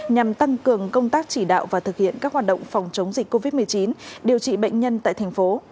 nhằm tăng cường công tác chỉ đạo và thực hiện các hoạt động phòng chống dịch covid một mươi chín điều trị bệnh nhân tại thành phố